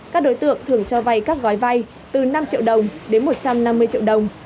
các đối tượng thường cho vay các gói vay từ năm triệu đồng đến một trăm năm mươi triệu đồng